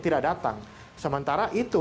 tidak datang sementara itu